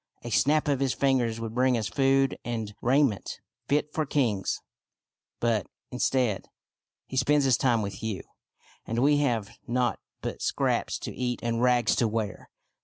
A snap of his fingers would bring us food and rai ment fit for kings ; but, instead, he spends his time with you, and we have nought but scraps to eat and rags to wear.